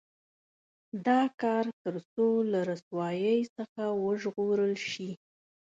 دا کار تر څو له رسوایۍ څخه وژغورل شي.